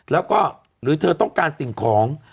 แล้วก็หรือเธอต้องการสิ่งของ